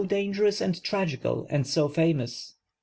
angerous and tragical and so famous?